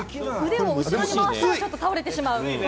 腕を後ろに回してしまうと倒れてしまう。